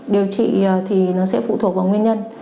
điều trị thì nó sẽ phụ thuộc vào nguyên nhân